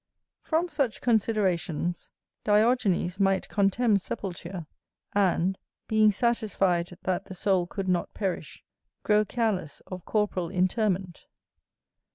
From such considerations, Diogenes might contemn sepulture, and, being satisfied that the soul could not perish, grow careless of corporal interment.